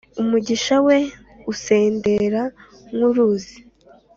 Umugisha we usendera nk’uruzi,